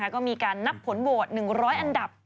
ก็มีการนับผลโหวต๑๐๐อันดับ